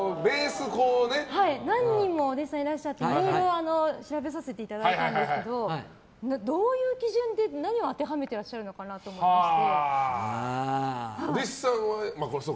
何人もお弟子さんがいらっしゃって名簿を調べさせていただいたんですがどういう基準で何を当てはめてるのかなと思いまして。